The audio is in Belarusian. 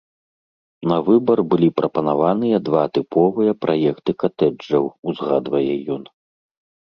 На выбар былі прапанаваныя два тыповыя праекты катэджаў, узгадвае ён.